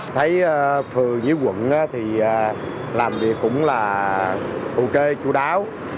thấy phường dưới quận thì làm việc cũng là ok chú đáo